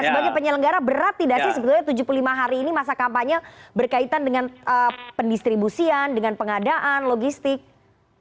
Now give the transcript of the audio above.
sebagai penyelenggara berat tidak sih sebetulnya tujuh puluh lima hari ini masa kampanye berkaitan dengan pendistribusian dengan pengadaan logistik